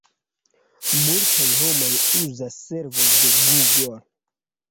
Multaj homoj uzas servojn de Google.